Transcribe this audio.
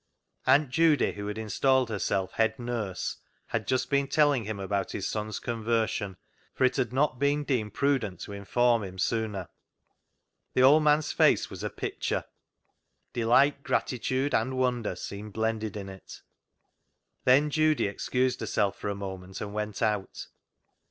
Aunt Judy, who had installed herself head nurse, had just been telling him about his son's conversion, for it had not been deemed prudent to inform him sooner. The old man's face was a picture. Delight, gratitude, and wonder seemed blended in it. Then Judy excused herself for a moment and went out.